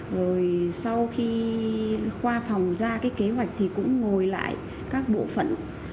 rồi sau khi khoa phòng ra cái kế hoạch thì cũng ngồi lại các bộ phận